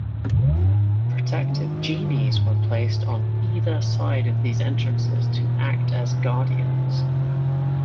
Protective genies were placed on either side of these entrances to act as guardians.